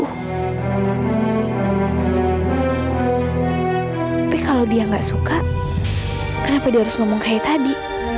tapi kalau dia nggak suka kenapa dia harus ngomong kayak tadi